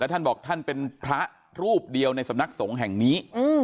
ท่านบอกท่านเป็นพระรูปเดียวในสำนักสงฆ์แห่งนี้